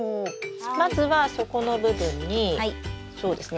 まずは底の部分にそうですね